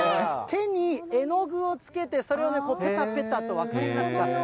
手に絵の具をつけて、それをぺたぺたと、分かりますか？